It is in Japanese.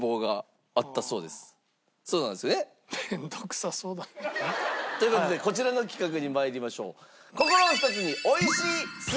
そうなんですよね？という事でこちらの企画に参りましょう。